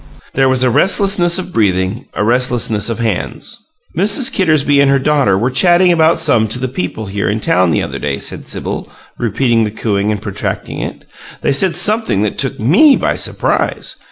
There was a restlessness of breathing, a restlessness of hands. "Mrs. Kittersby and her daughter were chatting about some of the people here in town the other day," said Sibyl, repeating the cooing and protracting it. "They said something that took ME by surprise!